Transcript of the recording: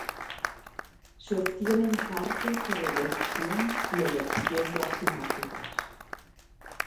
Se obtiene en parte por elección y elección de asignaturas.